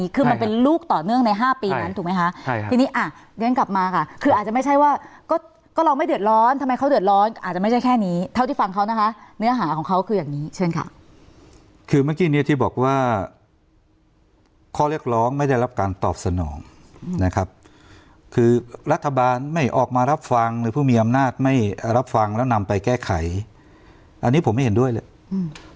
คือเมื่อกี้เนี่ยที่บอกว่าข้อเรียกร้องไม่ได้รับการตอบสนองนะครับคือรัฐบาลไม่ออกมารับฟังหรือผู้มีอำนาจไม่รับฟังแล้วนำไปแก้ไขอันนี้ผมไม่เห็นด้วยเลย